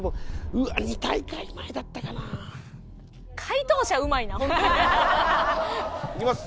うわっ２大会前だったかな？いきます。